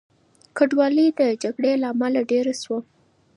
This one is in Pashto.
کډوالۍ د جګړې له امله ډېره شوه.